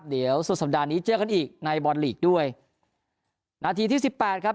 เดี๋ยวสุดสัปดาห์นี้เจอกันอีกในบอลลีกด้วยนาทีที่สิบแปดครับ